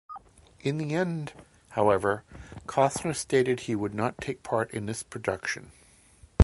In the end, however, Costner stated he would not take part in this production.